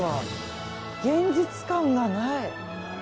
現実感がない。